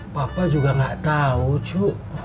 papa juga gak tau cu